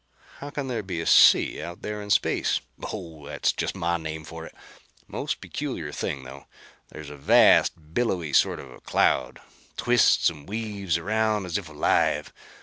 "How can there be a sea out there in space?" "Oh, that's just my name for it. Most peculiar thing, though. There's a vast, billowy sort of a cloud. Twists and weaves around as if alive.